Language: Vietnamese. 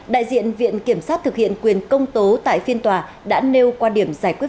đại diện viện kiểm sát thực hiện quyền công tố tại phiên tòa đã nêu quan điểm giải quyết